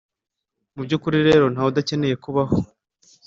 mu by’ukuri rero ntawudakeneye kubaho.